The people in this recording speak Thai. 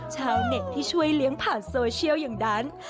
ชาวเน็ตที่ช่วยเลี้ยงผ่านโซเชียลอย่างนั้น